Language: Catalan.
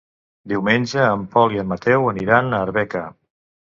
Diumenge en Pol i en Mateu aniran a Arbeca.